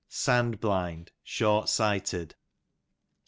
sand blind, short sighted.